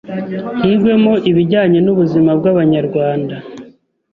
higwemo ibijyanye n’ubuzima bw’abanyarwanda.